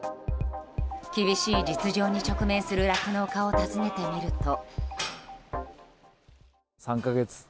厳しい実情に直面する酪農家を訪ねてみると。